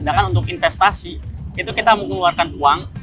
sedangkan untuk investasi itu kita mengeluarkan uang